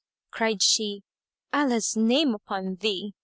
Cried she, "Allah's name upon thee.